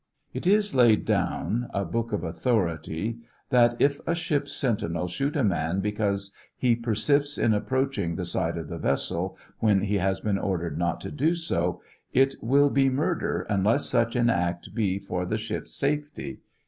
It is laid down, a book of authority, that if a ship's sentinel shoot a man because he persists in approaching the side of the vessel when he has been ordered not to do so, it will be murder uoless such an act be for the ship's safety.